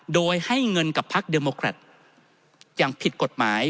โดยให้เงินกับพลักษณ์เดมกรัฐอย่างผิดกฎหมาย